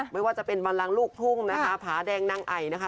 ไม่ว่าจะเป็นบันลังลูกทุ่งนะคะผาแดงนางไอนะคะ